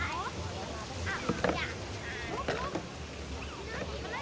สวัสดีครับทุกคน